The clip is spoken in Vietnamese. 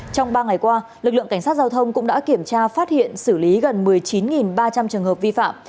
trong ba ngày qua lực lượng cảnh sát giao thông cũng đã kiểm tra phát hiện xử lý gần một mươi chín ba trăm linh trường hợp vi phạm